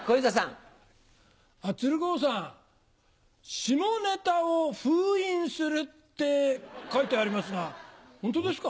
下ネタを封印するって書いてありますがホントですか？